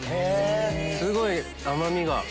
すごい甘みが。